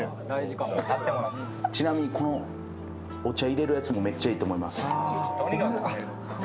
ちなみにこのお茶入れるやつもめっちゃいいと思います。